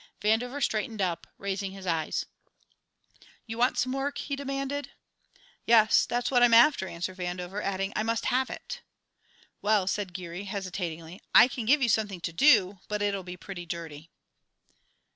Vandover straightened up, raising his eyes: "You want some work?" he demanded. "Yes; that's what I'm after," answered Vandover, adding, "I must have it!" "Well," said Geary, hesitatingly, "I can give you something to do, but it will be pretty dirty."